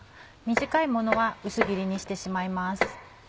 短いものは薄切りにしてしまいます。